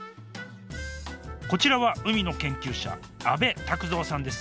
こちらは海の研究者阿部拓三さんです。